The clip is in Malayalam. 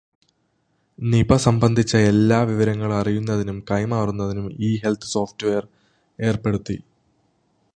നിപ സംബന്ധിച്ച എല്ലാ വിവരങ്ങളും അറിയുന്നതിനും കൈമാറുന്നതിനും ഇ ഹെല്ത്ത് സോഫ്റ്റ് വെയര് ഏര്പ്പെടുത്തി.